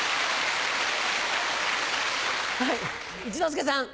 一之輔さん。